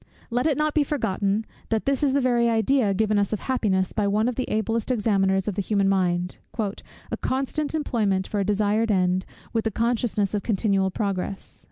Let it not be forgotten, that this is the very idea given us of happiness by one of the ablest examiners of the human mind; "a constant employment for a desired end, with the consciousness of continual progress."